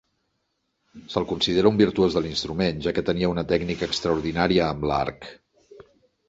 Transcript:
Se'l considera un virtuós de l'instrument, ja que tenia una tècnica extraordinària amb l'arc.